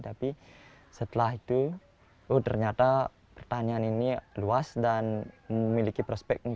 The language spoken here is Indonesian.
tapi setelah itu oh ternyata pertanian ini luas dan memiliki prospek untuk